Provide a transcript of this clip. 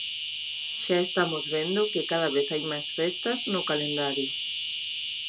Xa estamos vendo que cada vez hai máis festas no calendario.